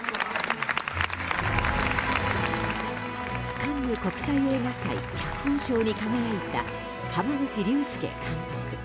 カンヌ国際映画祭脚本賞に輝いた濱口竜介監督。